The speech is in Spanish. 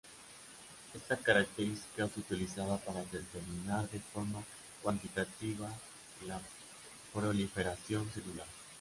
Esta característica es utilizada para determinar de forma cuantitativa la proliferación celular.